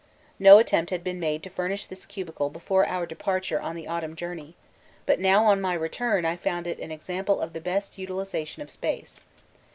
No attempt had been made to furnish this cubicle before our departure on the autumn journey, but now on my return I found it an example of the best utilisation of space.